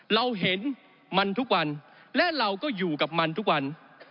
เราเห็นมันทุกวันและเราก็อยู่กับมันทุกวัน